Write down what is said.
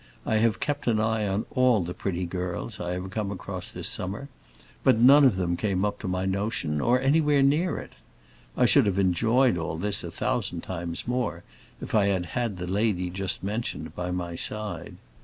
I have kept an eye on all the pretty girls I have come across this summer, but none of them came up to my notion, or anywhere near it. I should have enjoyed all this a thousand times more if I had had the lady just mentioned by my side.